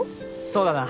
そうだな。